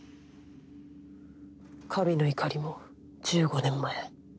神の怒りも１５年前！